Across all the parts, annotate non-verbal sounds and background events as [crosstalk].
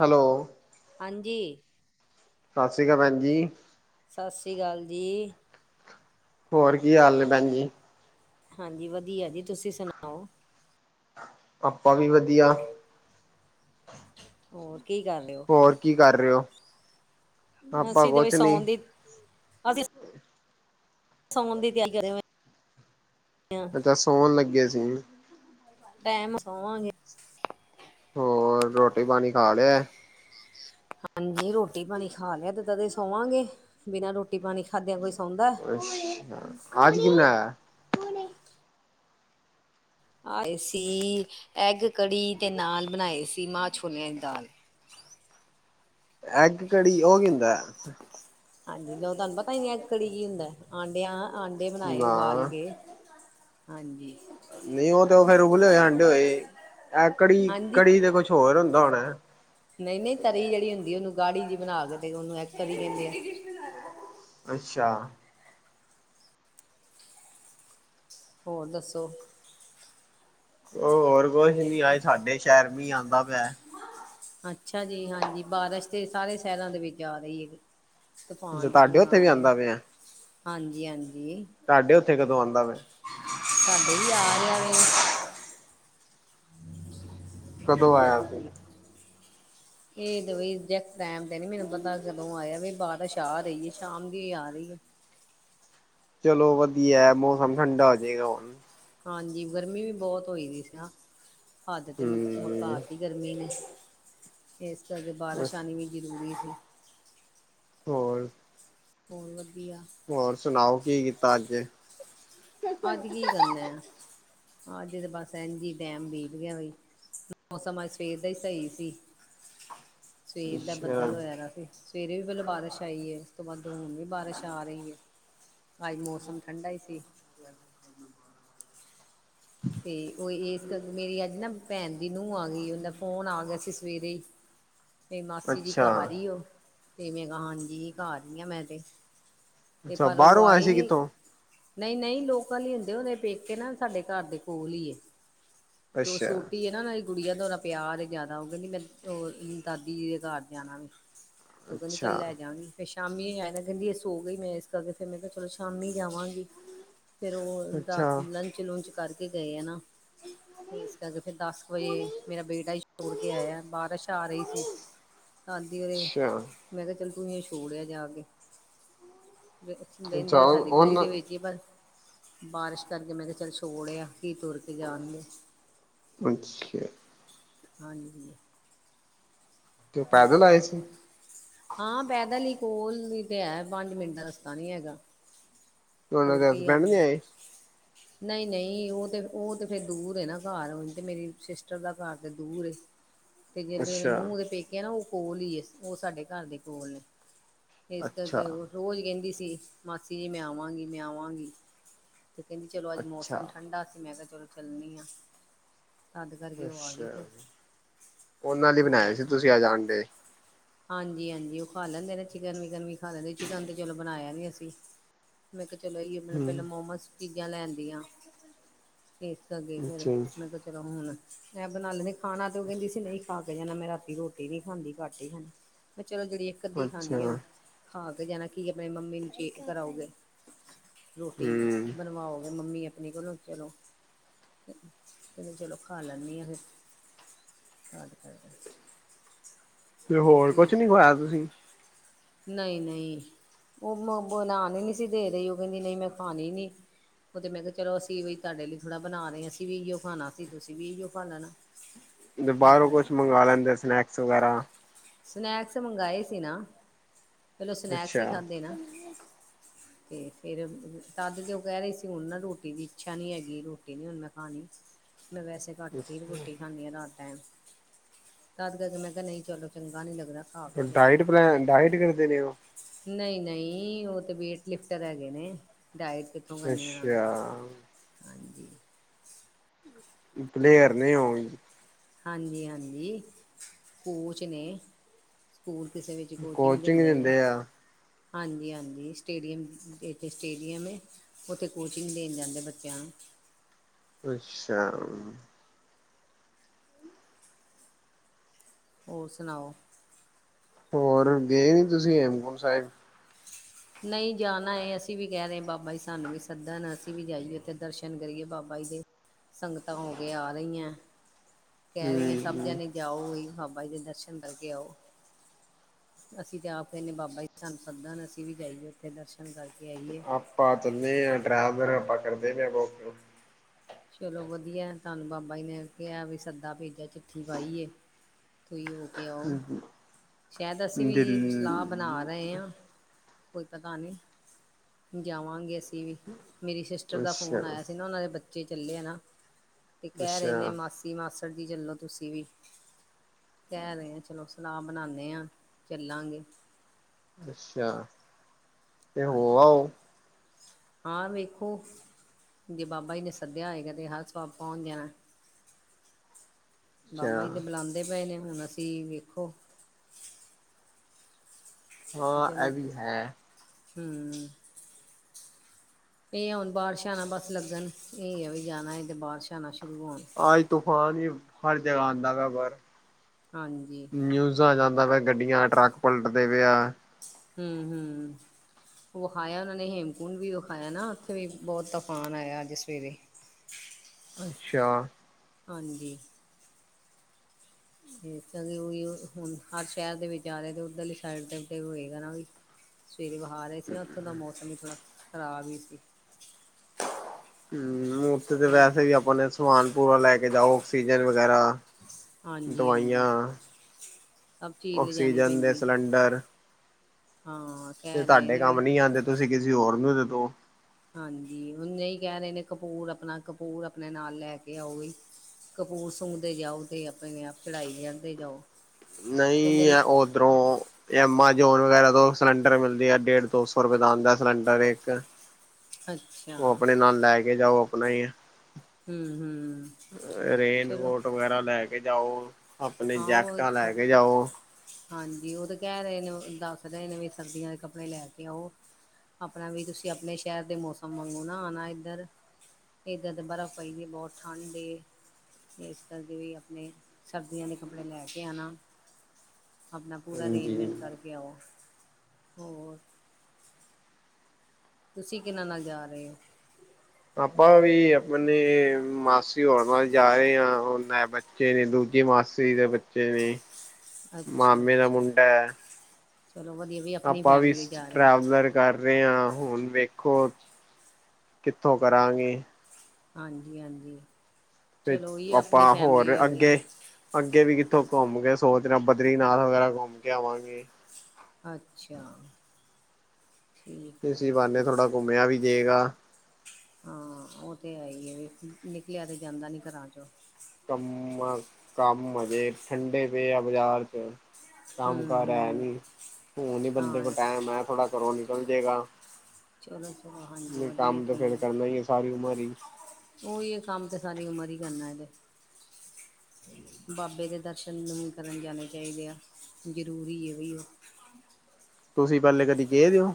Hello. ਹਾਂਜੀ! ਸਤਿ ਸ੍ਰੀ ਅਕਾਲ ਭੈਣ ਜੀ। ਸਤਿ ਸ਼੍ਰੀ ਅਕਾਲ ਜੀ। ਹੋਰ, ਕੀ ਹਾਲ ਨੇ ਭੈਣ ਜੀ? ਹਾਂਜੀ, ਵਧੀਆ ਜੀ, ਤੁਸੀਂ ਸੁਣਾਓ? ਆਪਾਂ ਵੀ ਵਧੀਆ ਹੋਰ ਕੀ ਕਰ ਰੇ ਓ ਹੋਰ ਕੀ ਕਰ ਰਹੇ ਹੋ ਆਪਾਂ ਅਸੀਂ ਤੇ ਬਈ ਕੁਛ ਨੀ ਸੌਣ ਦੀ ਅਸੀਂ ਸੌਣ ਦੀ ਤਿਆਰੀ ਕਰਿ ਹੋ [unintelligible] ਤਾਂ ਸੌਣ ਲੱਗੇ ਸੀ। ਟੈਮ ਨਾਲ ਸੌਵਾਂਗੇ ਹੋਰ, ਰੋਟੀ-ਪਾਣੀ ਖਾ ਲਿਆ? ਹਾਂਜੀ, ਰੋਟੀ-ਪਾਣੀ ਖਾ ਲਿਆ ਤੇ, ਤਦੇ ਸੌਵਾਂਗੇ ਬਿਨਾ ਰੋਟੀ-ਪਾਣੀ ਖਾਦਿਆਂ ਕੋਈ ਸੌਂਦਾ। ਅੱਛਾ, ਆਜ ਕਿੰਨਾ ਆਯਾ? ਆਏ ਸੀ, ਐਗ-ਕੜੀ ਤੇ ਨਾਲ ਬਣਾਏ ਸੀ ਮਾਂ-ਛੋਲਿਆਂ ਦੀ ਦਾਲ। ਐਗ ਕੜੀ, ਓ, ਕੀ ਹੁੰਦਾ? ਹਾਂਜੀ ਲੋ ਤੁਹਾਨੂੰ ਪਤਾ ਈ ਨੀ, ਐਗ-ਕੜੀ ਕੀ ਹੁੰਦਾ, ਆਂਡਿਆਂ ਆਂਡੇ ਬਣਾਏ ਨਾ ਉਬਾਲ ਕੇ ਹਾਂਜੀ। ਨਹੀ, ਉਹ ਤੇ ਉਹ ਫੇਰ ਉਬਲੇ ਹੋਏ ਆਂਡੇ ਹੋਏ ਇਹ ਕੜੀ ਹਾਂਜੀ ਕੜੀ ਤੇ ਕੁਛ ਹੋਰ ਹੁੰਦਾ ਹੋਣਾ? ਨਹੀਂ ਨਹੀਂ, ਤਰੀ ਜਿਹੜੀ ਹੁੰਦੀ ਉਹਨੂੰ ਗਾੜੀ ਜਿਹੀ ਬਣਾ ਕੇ ਤੇ ਉਹਨੂੰ ਇੱਕ ਕੜੀ ਕਹਿੰਦੇ ਆ। ਅੱਛਾ ਹੋਰ ਦੱਸੋ? ਹੋਰ ਕੁਛ ਨੀ ਅੱਜ ਸਾਡੇ ਸ਼ਹਿਰ ਮੀਂਹ ਆਂਦਾ ਪਿਆ ਅੱਛਾ ਜੀ, ਹਾਂਜੀ ਬਾਰਿਸ਼ ਤੇ ਸਾਰੇ ਸ਼ਹਿਰਾਂ ਦੇ ਵਿੱਚ ਆ ਰਹੀ ਐ ਤੁਹਾਡੇ ਉੱਥੇ ਵੀ ਆਂਦਾ ਪਿਆ ਹਾਂਜੀ-ਹਾਂਜੀ ਤੁਹਾਡੇ ਉੱਥੇ ਕਦੋਂ ਆਂਦਾ ਪਿਆ ਸਾਡੇ ਵੀ ਆ ਰਿਹਾ ਵੇ ਕਦੋਂ ਆਇਆ ਸੀ ਇਹ ਤੇ ਬਈ ਇਗਜੈਕਟ ਟਾਈਮ ਤੇ ਨੀ ਮੈਨੂੰ ਪਤਾ ਕਦੋਂ ਆਇਆ ਬਈ ਬਾਰਿਸ਼ ਆ ਰਹੀ ਆ ਸ਼ਾਮ ਦੀ ਆ ਰਹੀ ਐ ਚਲੋ ਵਧੀਆ ਮੌਸਮ ਠੰਡਾ ਹੋਜੇਗਾ ਹੁਣ ਹਾਂਜੀ ਗਰਮੀ ਵੀ ਬਹੁਤ ਹੋਈ ਦੀ ਸੀ ਨਾ ਹੱਦ ਤੇ ਮਤਲਬ ਹਮ ਮੁਕਾਤੀ ਗਰਮੀ ਨੇ ਇਸ ਕਰਕੇ ਬਾਰਿਸ਼ ਆਣੀ ਵੀ ਜ਼ਰੂਰੀ ਸੀ ਹੋਰ ਹੋਰ ਵਧੀਆ ਹੋਰ ਸੁਣਾਓ ਕੀ ਕੀਤਾ ਅੱਜ ਅੱਜ ਕੀ ਕਰਨਾ ਅੱਜ ਤੇ ਬਸ ਇਂਜ ਹੀ ਟੈਮ ਬੀਤ ਗਿਆ ਹੋਈ ਮੌਸਮ ਅੱਜ ਸਵੇਰ ਦਾ ਹੀ ਸਹੀ ਸੀ ਸਵੇਰ ਦਾ ਅੱਛਾ ਬੱਦਲ ਹੋਇਆ ਦਾ ਸਵੇਰੇ ਵੀ ਪਹਿਲਾਂ ਬਾਰਿਸ਼ ਆਈ ਐ ਉਸ ਤੋਂ ਬਾਅਦ ਹੁਣ ਵੀ ਬਾਰਿਸ਼ ਆ ਰਹੀ ਐ ਅਜ ਮੌਸਮ ਠੰਡਾ ਹੀ ਸੀ ਤੇ ਉਹ ਇਸ ਕਰਕੇ ਮੇਰੀ ਅੱਜ ਨਾ ਭੈਣ ਦੀ ਨੂੰਹ ਆ ਗਈ ਉਹਦਾ ਫੋਨ ਆ ਗਿਆ ਸੀ ਸਵੇਰੇ ਈ [inaudible] ਤੇ ਮਾਸੀ ਦੀ ਅੱਛਾ ਘਰ ਈ ਓ ਤੇ ਮੈਂ ਕਿਹਾ ਹਾਂਜੀ ਘਰ ਈ ਆ ਮੈਂ ਤੇ ਤੇ ਅੱਛਾ ਪਰ ਉਹ ਬਾਹਰੋਂ ਆਏ ਆਈ ਸੀ ਨਹੀਂ ਕਿੱਥੋਂ ਨਹੀਂ-ਨਹੀਂ, ਲੋਕਾਂ ਲਈ ਹੁੰਦੇ ਹੋਣੇ ਪੇਕੇ ਨਾ ਸਾਡੇ ਘਰ ਦੇ ਕੋਲ ਹੀ ਐ ਤੇ ਉਹ ਅੱਛਾ ਛੋਟੀ ਆ ਨਾ। ਕੁੜੀਆਂ ਦਾ ਉਹਦਾ ਪਿਆਹ ਜਿਆਦਾ ਉਹ ਕਹਿੰਦੀ ਮੈਂ ਦਾਦੀ ਜੀ ਦੇ ਘਰ ਜਾਣਾ ਵੀ। ਓ ਕਹਿੰਦੇ ਚੱਲ ਅੱਛਾ ਲੈਜਾਗੇ। ਫਿਰ ਸ਼ਾਮੀ ਐ ਨਾ ਕਹਿੰਦੀ ਇਹ ਸੋ ਗਈ ਮੈਂ ਇਸ ਕਰਕੇ ਫਿਰ ਮੈਂ ਕਿਹਾ ਚਲੋ ਸ਼ਾਮੀ ਜਾਵਾਂਗੀ। ਫੇਰ ਉਹ ਅੱਛਾ ਦਸ ਲੰਚ ਲੂਚ ਕਰਕੇ ਗਏ ਆ ਨਾ ਤੇ ਇਸ ਕਰਕੇ ਫਿਰ ਦਸ ਵਜੇ ਮੇਰਾ ਬੇਟਾ ਹੀ ਛੋੜ ਕੇ ਆਇਆ ਬਾਰਿਸ਼ ਆ ਰਹੀ ਸੀ। ਹਾਂਜੀ ਉਰੇ ਅੱਛਾ ਮੈਂ ਕਿਹਾ ਚੱਲ ਤੂੰ ਇਨੂੰ ਛੋੜਿਆ ਜਾ ਕੇ। ਰਹਿੰਦੇ ਅੱਛਾ ਤਾਂ ਸਾਡੀ ਗਲੀ ਉਹਨਾਂ ਦੇ ਵਿੱਚ ਈ ਪਰ ਬਾਰਿਸ਼ ਕਰਕੇ ਮੈਂ ਕਿਹਾ ਚੱਲ ਛੋੜਿਆ। ਕੀ ਤੁਰ ਕੇ ਜਾਣਗੇ। ਅੱਛਾ। ਹਾਂਜੀ। ਤੇ ਹੂੰ ਪੈਦਲ ਆਏ ਸੀ ਤੇ ਹਾਂ, ਪੈਦਲ ਈ ਕੋਲ ਈ ਤੇ ਹੈ ਪੰਜ ਮਿੰਟ ਦਾ ਰਸਤਾ ਨੀ ਹੈਗਾ। ਉਹਨਾਂ ਤੁਰ ਦੇ ਕੇ ਹੀ ਆ ਹਸਬੈਂਡ ਨੀ ਗਏ। ਆਏ ਨਹੀਂ ਨਹੀਂ, ਉਹ ਤੇ ਉਹ ਤੇ ਫਿਰ ਦੂਰ ਐ ਨਾ ਘਰ ਤੇ ਮੇਰੀ ਸਿਸਟਰ ਦਾ ਘਰ ਤੇ ਦੂਰ ਐ। [inaudible] ਤੇ ਜਿਹੜੀ ਇਹਦੀ ਅੱਛਾ ਨੂੰਹ ਦੇ ਪੇਕੇ ਆ ਨਾ ਉਹ ਕੋਲ ਈ ਐ ਉਹ ਸਾਡੇ ਘਰ ਦੇ ਕੋਲ ਨੇ ਇਸ ਅੱਛਾ ਕਰਕੇ ਉਹ ਰੋਜ਼ ਕਹਿੰਦੀ ਸੀ ਮਾਸੀ ਜੀ ਮੈਂ ਆਵਾਂਗੀ ਮੈਂ ਆਵਾਂਗੀ ਤੇ ਓ ਕਹਿੰਦੀ ਚਲੋ ਅੱਜ ਅੱਛਾ ਮੌਸਮ ਠੰਢਾ ਸੀ ਮੈਂ ਕਿਹਾ ਚਲੋ ਚੱਲਣੀ ਆ ਤਦ ਕਰਕੇ ਉਹ ਆ ਗਈ ਅੱਛਾ, ਫਿਰ ਉਹਨਾਂ ਲਈ ਬਣਾਏ ਸੀ ਤੁਸੀਂ ਅੱਜ ਆਂਡੇ। ਹਾਂਜੀ-ਹਾਂਜੀ, ਉਹ ਖਾ ਲੈਂਦੇ ਨੇ ਚਿਕਨ ਵਿਕਨ ਵੀ ਖਾ ਲੈਂਦੇ ਚਿਕਨ ਤੇ ਚਲੋ ਬਣਾਇਆ ਨੀ ਅਸੀਂ ਮੈਂ ਕਿਹਾ ਚਲੋ ਏ ਓ ਹਮ ਪਹਿਲਾਂ ਮੋਮੋਸ ਚੀਜ਼ਾਂ ਲੈਂਦੀਆਂ ਫੇਰ ਅੱਗੇ ਫੇਰ ਅੱਛਾ ਮੈਂ ਕਿਹਾ ਚਲੋ ਹੁਣ ਮੈਂ ਬਣਾ ਲੈਂਦੀ ਖਾਣਾ ਤੇ ਉਹ ਕਹਿੰਦੀ ਸੀ ਨਹੀਂ ਖਾ ਕੇ ਜਾਣਾ ਮੈਂ ਰਾਤੀ ਰੋਟੀ ਨੀ ਖਾਂਦੀ ਘੱਟ ਹੀ ਆ। ਮੈ ਚਲੋ ਜਿਹੜੀ ਇੱਕ ਅੱਧੀ ਅੱਛਾ ਖਾਣੀ ਆ ਖਾ ਕੇ ਜਾਣਾ ਕੀ ਆਪਣੇ ਮੰਮੀ ਨੂੰ ਠੀਕ ਕਰਾਓ। ਰੋਟੀ ਹਮ ਬਣਵਾਓਗੇ ਮੰਮੀ ਆਪਣੇ ਕੋਲੋਂ ਚਲੋ। ਫੇਰ ਚਲੋ ਖਾ ਲੈਂਦੀ ਆ ਤਦ ਕਰਕੇ ਤੇ ਹੋਰ ਕੁਛ ਨੀ ਖਵਾਇਆ ਤੁਸੀਂ ਨਹੀਂ ਨਹੀਂ ਉਹ ਬਣਾਨ ਨਹੀਂ ਸੀ ਦੇ ਰਹੀ ਉਹ ਕਹਿੰਦੀ ਨਹੀਂ ਮੈਂ ਖਾਣੀ ਨਹੀਂ। ਉਹ ਤੇ ਮੈਂ ਕਿਹਾ ਚਲੋ ਅਸੀਂ ਵੀ ਤੁਹਾਡੇ ਲਈ ਥੋੜ੍ਹਾ ਬਣਾ ਰਹੇ ਅਸੀਂ ਵੀ ਇਹੀ ਖਾਣਾ ਤੁਸੀ ਵੀ ਇਹੋ ਖਾ ਲੈਣਾ। ਸਟਾਰਟ ਬਾਹਰੋਂ ਕਰ ਕੁਛ ਦਿੰਦੇ ਮੰਗਵਾ ਲੈਂਦੇ ਸਨੈਕਸ ਵਗੈਰਾ। ਸਨੈਕਸ ਮੰਗਵਾਏ ਸੀ ਨਾ ਫਿਰ ਓ ਸਨੈਕਸ ਹੀ ਅੱਛਾ ਖਾਧੇ ਨਾ। [inaudible] ਤੇ ਫਿਰ ਤਦ ਤੇ ਉਹ ਕਹਿ ਰਹੀ ਸੀ ਹੁਣ ਨਾ ਰੋਟੀ ਦੀ ਇੱਛਾ ਨਹੀਂ ਹੈਗੀ ਰੋਟੀ ਨਹੀਂ ਹੁਣ ਮੈਂ ਖਾਣੀ। ਮੈਂ ਵੈਸੇ ਘੱਟ ਰੋਟੀ ਖਾਂਦੀ ਆ ਰਾਤ ਟਾਈਮ ਤਦ ਕਰਕੇ ਮੈਂ ਕਿਹਾ ਨਹੀਂ ਚਲੋ ਚੰਗਾ ਨੀ ਲੱਗਦਾ। ਖਾ ਕੇ ਜਾਣਾ ਡਾਇਟ ਪਲ ਡਾਇਟ ਕਰਦੇ ਨੇ ਉਹ ਨਹੀਂ ਨਹੀਂ ਉਹ ਤੇ ਵੇਟ ਲਿਫਟਰ ਹੈਗੇ ਨੇ ਡਾਇਟ ਕਿਥੋਂ ਕਰਨੀ ਉਹਨਾ ਨੇ। ਅੱਛਾ ਹਾਂਜੀ। ਪਲੇਅਰ ਨੇ ਉਹ। ਹਾਂਜੀ ਹਾਂਜੀ ਕੋਚ ਨੇ। ਸਕੂਲ ਕਿਸੇ ਵਿੱਚ ਕੋਚਿੰਗ ਦਿੰਦੇ ਨੇ। ਹਾਂਜੀ ਹਾਂਜੀ ਸਟੇਡੀਅਮ ਇੱਥੇ ਸਟੇਡੀਅਮ ਐ। ਉੱਥੇ ਕੋਚਿੰਗ ਦੇਣ ਜਾਂਦੇ ਬੱਚਿਆਂ ਨੂੰ। ਅੱਛਾ। ਹੋਰ ਸੁਣਾਓ। ਹੋਰ ਗਏ ਨੀ ਤੁਸੀਂ ਹਮਕੁੰਟ ਸਾਹਿਬ। ਨਹੀਂ ਜਾਣਾ ਹੈ ਅਸੀਂ ਵੀ ਕਹਿ ਰਹੇ ਹਾਂ ਬਾਬਾ ਜੀ ਸਾਨੂੰ ਵੀ ਸੱਦਣ ਅਸੀਂ ਵੀ ਜਾਈਏ ਫਿਰ। ਦਰਸ਼ਨ ਕਰੀਏ ਬਾਬਾ ਜੀ ਦੇ ਸੰਗਤਾਂ ਹੋ ਕੇ ਆ ਰਹੀਆਂ। ਕਹਿ ਰਹੀ ਹਾਂ ਸਭ ਹਮ ਜਾਣੇ ਜਾਓ ਬਾਬਾ ਜੀ ਦੇ ਦਰਸ਼ਨ ਕਰਕੇ ਆਓ। ਅਸੀਂ ਤੇ ਆਪ ਕਹਿੰਦੇ ਬਾਬਾ ਜੀ ਸਾਨੂੰ ਸੱਦਣ ਅਸੀਂ ਵੀ ਜਾਈਏ ਉੱਥੇ ਦਰਸ਼ਨ ਕਰਕੇ ਆਈਏ। ਆਪਾਂ ਤਿੰਨੇ ਆ ਡਰੈਵਰ ਆਪਾਂ ਕਰਦੇ ਆ ਬਹੁਤ ਕੁਝ। ਚਲੋ ਵਧੀਆ ਤੁਹਾਨੂੰ ਬਾਬਾ ਜੀ ਨੇ ਕਿਹਾ ਵੀ, ਸੱਦਾ ਭੇਜਿਆ, ਚਿੱਠੀ ਪਾਈ ਏ ਤੁਹੀ ਹੋ ਕੇ ਆਓ। ਸ਼ਾਇਦ ਅਸੀਂ ਵੀ ਸਲਾਹ ਬਣਾ ਦਿੱਲੀ ਰਹੇ ਹਾਂ ਕੋਈ ਪਤਾ ਨੀ। ਜਾਵਾਂਗੇ ਅਸੀ ਵੀ ਮੇਰੀ ਸਿਸਟਰ ਦਾ ਅੱਛਾ ਫੋਨ ਆਇਆ ਸੀ ਨਾ ਉਹਨਾਂ ਦੇ ਬੱਚੇ ਚੱਲੇ ਆ ਨਾ ਤੇ ਕਹਿ ਰਹੇ ਨੇ ਅੱਛਾ ਮਾਸੀ-ਮਾਸੜ ਜੀ ਚੱਲੋ ਤੁਸੀਂ ਵੀ। ਕਹਿ ਰਹੇ ਆ ਚਲੋ ਸਲਾਹ ਬਨਾਨੇ ਹਾਂ। ਚੱਲਾਂਗੇ ਅੱਛਾ। ਤੇ ਹੋ ਹਾਂਜੀ। ਆਓ ਹਾਂ ਵੇਖੋ। ਜੇ ਬਾਬਾ ਜੀ ਨੇ ਸੱਦਿਆ ਹੋਏਗਾ ਤੇ ਹਰ ਸਬਬ ਪਹੁੰਚ ਜਾਣ। ਅੱਛਾ ਬਾਬਾ ਜੀ ਤੇ ਬੁਲਾਉਂਦੇ ਪਏ ਨੇ। ਹੁਣ ਅਸੀਂ ਵੇਖੋ ਹਾਂ ਇਹ ਜਲਦ ਵੀ ਹੈ ਹੂੰ। ਇਹ ਹੁਣ ਬਾਰਿਸ਼ ਨਾ ਬਸ ਲੱਗਣ। ਇਹ ਆ ਵੀ ਜਾਣਾ ਤਾਂ ਬਾਰਿਸ਼ਾ ਨਾ ਸ਼ੁਰੂ ਹੋਣ ਅਜ ਤੂਫਾਨ ਹੀ ਹਰ ਜਗਾ ਆਦਾਂ ਪਿਆ ਬਸ ਹਾਂਜੀ। ਨਿਊਜ਼ਾਂ ਜਾਂਦਾ ਪਿਆ ਗੱਡੀਆਂ ਟਰੱਕ ਪਲਟਦੇ ਪਏ ਆ। ਹੂੰ ਹੂੰ ਵਿਖਾਇਆ ਉਹਨਾਂ ਨੇ ਹੇਮਕੁੰਡ ਵੀ ਵਿਖਾਇਆ ਨਾ ਉੱਥੇ ਵੀ ਬਹੁਤ ਤੂਫਾਨ ਆਇਆ ਅੱਜ ਸਵੇਰੇ। ਅੱਛਾ। ਹਾਂਜੀ। ਇਸ ਉਹੀ ਹੁਣ। ਹਰ ਸ਼ਹਿਰ ਦੇ ਵਿੱਚ ਆ ਰਹੇ। ਤੇ ਉੱਧਰਲੀ ਸਾਈਡ ਤੇ ਤੇ ਹੋਏਗਾ ਨਾ ਵੀ ਸਵੇਰੇ ਬਾਹਰ ਆਹੇ ਸੀ ਨਾ। ਉੱਥੋਂ ਦਾ ਮੌਸਮ ਵੀ ਥੋੜਾ ਖ਼ਰਾਬ ਹੀ ਸੀ। ਹੁਂ, ਮੁਫ਼ਤ ਤੇ ਵੈਸੇ ਵੀ ਆਪਨੇ ਸਮਾਨ ਪੂਰਾ ਲੈ ਕੇ ਜਾਓ, ਆਕਸੀਜਨ ਵਗੈਰਾ। ਹਾਂਜੀ ਹਾਂਜੀ ਦਵਾਈਆਂ, ਸਭ ਚੀਜ਼ ਲਿਜਾਣੀ ਆਕਸੀਜਨ ਦੇ ਪੈਂਦੀ ਸਿਲੰਡਰ। ਹਾਂ। ਤੇ ਕਹਿ ਰਹੇ ਤੁਹਾਡੇ ਨੇ ਕੰਮ ਵੀ ਨੀ ਆਉਂਦੇ ਤੁਸੀਂ ਕਿਸੇ ਹੋਰ ਨੂੰ ਦੇ ਦੋ। ਹਾਂਜੀ, ਉਜੇਂ ਏ ਹੀ ਕਹਿ ਰਹੇ ਨੇ ਕਪੂਰ ਆਪਣਾ, ਕਪੂਰ ਆਪਣੇ ਨਾਲ ਲੈ ਕੇ ਆਓ ਬਈ। ਕਪੂਰ ਸੁੰਗਦੇ ਜਾਓ ਤੇ ਆਪਣੇ-ਆਪ ਚੜਾਈ ਲੈੰਆਦੇ ਜਾਓ। ਕਹਿੰਦੇ ਨਹੀਂ, ਹੈ ਔ ਉੱਧਰੋਂ ਐਮਾਜੋਨ ਵਗੈਰਾ ਤੋਂ ਸਿਲੰਡਰ ਮਿਲਦੇ ਆ। ਡੇਢ-ਦੋ ਸੌ ਰੁਪਏ ਦਾ ਆੁੰਦਾ ਸਿਲੰਡਰ ਇੱਕ ਅੱਛਾ ਉਹ ਆਪਣੇ ਨਾਲ ਲੈ ਕੇ ਜਾਓ ਆਪਣਾ ਹੀ ਏ ਹੂੰ ਹੂੰ ਚਲੋ ਰੇਨਕੋਟ ਵਗੈਰਾ ਲੈ ਕੇ ਜਾਓ ਆਪਣੇ ਆਓੋ ਜੈਕਟਾਂ ਇਥੇ ਲੈ ਕੇ ਜਾਓ। ਹਾਂਜੀ, ਉਹ ਤੇ ਕਹਿ ਰਹੇ ਨੇ, ਦੱਸ ਰਹੇ ਨੇ ਵੀ, ਸਰਦੀਆਂ ਦੇ ਕੱਪੜੇ ਲੈ ਕੇ ਆਓ। ਆਪਣਾ ਵੀ ਤੁਸੀਂ ਆਪਣੇ ਸ਼ਹਿਰ ਦੇ ਮੌਸਮ ਵਾਗੁਂ ਨਾ ਆਣਾ ਇੱਧਰ ਏਦੇ ਤਾਂ ਬਰਫ਼ ਪਈ ਹੈ। ਬਹੁਤ ਠੰਢ ਏ ਇਸ ਕਰਕੇ ਵੀ ਆਪਣੇ, ਸਰਦੀਆਂ ਦੇ ਕੱਪੜੇ ਲੈ ਕੇ ਆਉਣਾ। ਆਪਣਾ ਪੂਰਾ ਅਰੇਂਜਮੈਂਟ ਹਾਂਜੀ। ਕਰ ਕੇ ਆਓ। ਹੋਰ? ਤੁਸੀਂ ਕਿਹਨਾਂ ਨਾਲ ਜਾ ਰਹੇ ਹੋ? ਆਪਾਂ ਵੀ ਆਪਣੇ ਮਾਸੀ ਹੋਰ ਨਾਲ ਜਾ ਰਹੇ ਆਂ। ਉਨੇ ਬਚ ਬੱਚੇ ਨੇ, ਦੂਜੀ ਮਾਸੀ ਦੇ ਬੱਚੇ ਨੇ। ਅੱਛਾ ਮਾਮੇ ਦਾ ਅੱਛਾ ਮੁੰਡਾ ਹੈ। ਚਲੋ ਵਧੀਆ ਞੀ ਅ ਆਪਾਂ ਵੀਸ, ਟਰੈਵਲਰ ਕਰ ਰੇ ਹਾਂ। ਹੁਣ ਵੇਖੋ। ਕਿੱਥੋਂ ਕਰਾਂਗੇ। ਹਾਂਜੀ-ਹਾਂਜੀ। ਤੇ, ਆਪਾਂ ਹੋਰ ਹੋ ਗਈ ਅੱਗੇ ਅੱਗੇ ਵੀ ਕਿੱਥੋਂ ਘੁੰਮ ਕੇ ਸੋਚ ਰੇਹਾਂ। ਬਦਰੀਨਾਥ ਵਗੈਰਾ ਘੁੰਮ ਕੇ ਆਵਾਂਗੇ। ਅੱਛਾ। ਠੀਕ ਹੈ ਇਸੀ ਠੀਕ ਹੈ ਬਾਨੇ ਥੋੜ੍ਹਾ ਘੁੰਮਿਆ ਵੀ ਜੇਗਾ। ਹਾਂ, ਉਹ ਤੇ ਹੈ ਈ ਏ ਵੀ। ਨਿਕਲਿਆ ਤੇ ਜਾਂਦਾ ਨੀ ਘਰਾਂ ਚੋਂ। ਕੰਮ, ਕੰਮ ਹਜੇ ਠੰਡੇ ਪੈ ਆ ਬਜ਼ਾਰ ਚ। ਹੂੰ ਕੰਮ-ਕਾਰ ਐ ਹੂੰ ਨੀ। ਹੁ ਨੀ ਬੰਦੇ ਕੋਲ ਹਾਂ ਟਾਈਮ ਐ ਥੋੜਾ ਘਰੋਂ ਨਿਕਲ ਜੇਗਾ। ਚਲੋ ਚਲੋ ਹਾਂਜੀ ਨੀ ਵਧੀਆ ਕੰਮ ਤਾਂ ਫੇਰ ਕਰਨਾ ਈ ਏ ਸਾਰੀ ਉਮਰ ਈ। ਉਈ ਏ, ਕੰਮ ਤੇ ਸਾਰੀ ਉਮਰ ਈ ਕਰਨਾ ਇਹਦੇ। ਬਾਬੇ ਦੇ ਦਰਸ਼ਨ ਵੀ ਕਰਨ ਜਾਣੇ ਚਾਈਦੇ ਆ। ਜ਼ਰੂਰੀ ਏ ਬਈ ਉਹ। ਤੁਸੀਂ ਪਹਿਲੇ ਕਦੀ ਗੇ ਵੇਓ?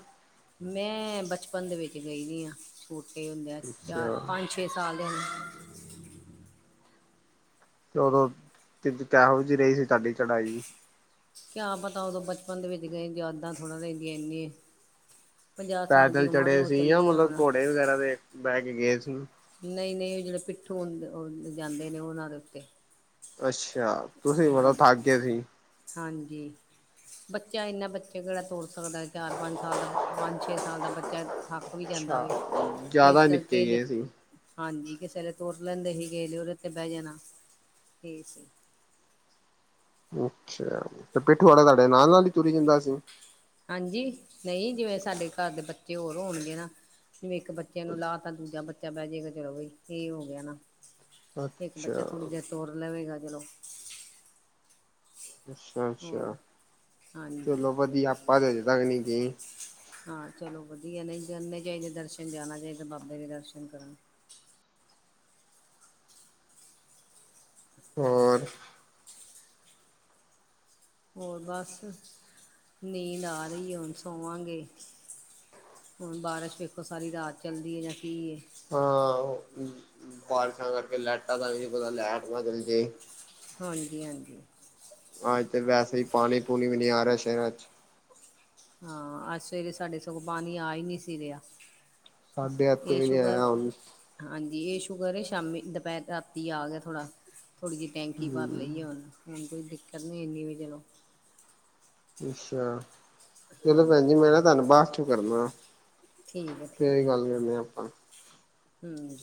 ਮੈਂ ਬਚਪਨ ਦੇ ਵਿੱਚ ਗਈ ਵੀ ਆ। ਛੋਟੇ ਹੁੰਦਿਆ ਚਾਰ, ਅੱਛਾ। ਪੰਜ, ਛੇ ਸਾਲ ਦੇ ਹੁ ਤੇ ਉਦੋਂ, ਤਿਦ ਕੇਹੋ ਜੀ ਰਹੀ ਸੀ ਤੁਡੀ ਚੜ੍ਹਾਈ? ਕਿਆ ਪਤਾ। ਉਦੋਂ ਬਚਪਨ ਦੇ ਵਿੱਚ ਗਏ ਯਾਦਾਂ ਥੋੜ੍ਹਾ ਰਹਿੰਦੀਆਂ ਇੰਨੀ। ਪੰਜਾਹ ਸਾਲ ਦੀ ਪੈਦਲ ਉਮਰ ਚੜੇ ਉਹ ਸੀ ਜਾਂ ਚੱਲੀ ਹੈ ਮਤਲਬ ਹੁਣ ਘੋੜੇ ਵਗੈਰਾ ਦੇ ਬਹਿ ਕੇ ਗਏ ਸੀ? ਨਈ-ਨਈ ਉਹ ਜਿਹੜਾ ਪਿੱਠੂ ਹੁੰ-ਹੁੰ ਜਾਂਦੇ ਨੇ ਉਹਨਾਂ ਦੇ ਉੱਤੇ। ਅੱਛਾ, ਤੁਸੀਂ ਮਤਲਬ ਹਾਂਜੀ ਥੱਕ ਗਏ ਸੀ? ਹਾਂਜੀ। ਬੱਚਾ ਇੰਨਾ, ਬੱਚਾ ਕਿਹੜਾ ਤੁਰ ਸਕਦਾ ਚਾਰ-ਪੰਜ ਸਾਲ ਦਾ। ਪੰਜ-ਛੇ ਸਾਲ ਦਾ ਬੱਚਾ ਥੱਕ ਵੀ ਜਾਂਦਾ ਵੇ। ਅੱਛਾ ਇਸ ਜ਼ਿਆਦਾ ਨਿੱਕੇ ਕਰਕੇ ਲ ਗਏ ਸੀ। ਹਾਂਜੀ, ਕਿਸੇ ਵੇਲੇ ਤੁਰ ਲੈਂਦੇ ਸੀ ਗੇ ਨੀ ਉਹਦੇ ਤੇ ਬਹਿ ਜਾਣਾ। ਠੀਕ ਹ ਅੱਛਾ। ਤੇ ਪਿੱਠੂ ਆਲਾ ਤੁਹਾਡੇ ਨਾਲ-ਨਾਲ ਹੀ ਤੁਰੀ ਜਾਂਦਾ ਸੀ? ਹਾਂਜੀ, ਨਹੀਂ ਜਿਵੇਂ ਸਾਡੇ ਘਰ ਦੇ ਬੱਚੇ ਹੋਰ ਹੋਣਗੇ ਨਾ। ਜਿਵੇਂ ਇੱਕ ਬੱਚੇ ਨੂੰ ਲਾ ਤਾਂ, ਦੂਜਾ ਬੱਚਾ ਬਹਿ ਜੇਗਾ ਚਲੋ ਵੀ [unintelligible] ਹੋ ਗਯਾ ਨਾ। ਤੇ ਇੱਕ ਬੱਚਾ ਅੱਛਾ, ਥੋੜ੍ਹੀ ਦੇਰ ਸੋ ਲਵੇਗਾ। ਚਲੋ ਅੱਛਾ। ਹੋਰ ਹਾਂਜੀ ਚਲੋ ਵਧਿਆ, ਆਪਾਂ ਤੇ ਅਜੇ ਤੱਕ ਨੀ ਗਏ ਹਾਂ ਚਲੋ ਵਧੀਆ। ਨਈ ਜਨੇ ਚਾਈਦੇ ਦਰਸ਼ਨ ਜਾਣਾ ਚਾਈਦਾ ਬਾਬੇ ਦੇ ਦਰਸ਼ਨ ਕਰਨ। ਹੋਰ ਹੋਰ ਬਸ ਨੀਂਦ ਆ ਰੀਏ ਹੁਣ ਸੋਵਾਂਗੇ। ਹੁਣ ਬਾਰਿਸ਼ ਵੇਖੋ, ਸਾਰੀ ਰਾਤ ਚੱਲਦੀ ਏ ਜਾਂ ਕੀ ਏ। ਹਾਂ, ਬਾਰਿਸ਼ਾਂ ਕਰਕੇ ਲੈਟਾਂ ਦਾ ਨੀ ਪਤਾ। ਲੈਟ ਨਾ ਚਲ ਜੇ। ਹਾਂਜੀ-ਹਾਂਜੀ। ਆਜ ਤੇ ਵੈਸੇ ਈ, ਪਾਣੀ- ਪੂਣੀ ਵੀ ਨੀ ਆ ਰਿਹਾ ਸੇਹਿਰਾ 'ਚ। ਹਾਂ‌ ਅੱਜ ਸਵੇਰੇ ਸਾਡੇ ਸਗੋਂ ਪਾਣੀ ਆ ਈ ਨੀ ਸੀ ਰਿਹਾ। ਸਾਡੇ ਇੱਥੇ ਇਹ ਵੀ ਨੀ ਸ਼ੂਕਰ ਆਇਆ ਹੁਣ ਹਾਂਜੀ। ਇਹ ਸ਼ੂਕਰ ਏ ਸ਼ਾਮੀ, ਦਪੇਰ, ਰਾਤੀ ਆ ਗਿਆ ਥੋੜਾ, ਥੋੜ੍ਹੀ ਜੀ ਟੈਂਕੀ ਭਰ ਹਮ ਲਈ ਆ। ਹੁਣ ਕੋਈ ਦਿੱਕਤ ਨੀ ਇਨੀ ਵੀ ਚਲੋ। ਅੱਛਾ। ਚਲੋ ਭੈਣ ਹਾਂਜੀ ਜੀ ਮੈਂ ਨਾ ਤਾਨੂੰ ਬਾਅਦ ਚੋਂ ਕਰਦਾ, ਫੇਰ ਗੱਲ ਕਰਦੇ ਆ ਆਪਾਂ। ਹੂੰ